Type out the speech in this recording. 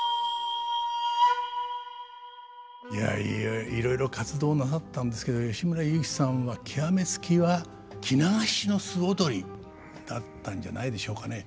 いやいろいろ活動なさったんですけど吉村雄輝さんは極め付きは着流しの素踊りだったんじゃないでしょうかね。